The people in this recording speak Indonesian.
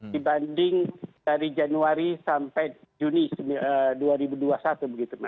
dibanding dari januari sampai juni dua ribu dua puluh satu begitu